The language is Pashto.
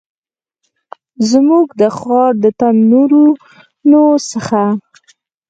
زموږ د ښار د تنورونو څخه